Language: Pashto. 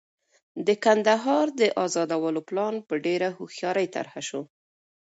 د کندهار د ازادولو پلان په ډېره هوښیارۍ طرح شو.